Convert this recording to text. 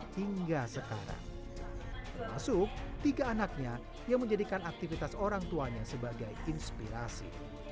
hingga sekarang masuk tiga anaknya yang menjadikan aktivitas orangtuanya sebagai inspirasi